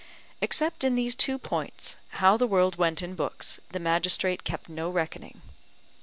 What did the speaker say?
Except in these two points, how the world went in books, the magistrate kept no reckoning.